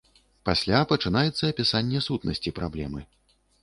Пасля пачынаецца апісанне сутнасці праблемы.